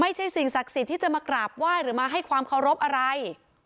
สิ่งศักดิ์สิทธิ์ที่จะมากราบไหว้หรือมาให้ความเคารพอะไร